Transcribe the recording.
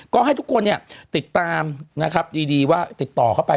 ก็ให้ทุกคนเนี่ยติดตามนะครับดีว่าติดต่อเข้าไป